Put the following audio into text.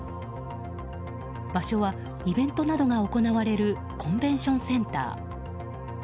場所はイベントなどが行われるコンベンション・センター。